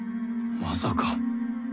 まさか。